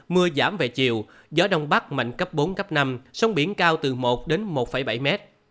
mưa giảm về chiều gió đông bắc mạnh cấp bốn năm sông biển cao từ một một bảy m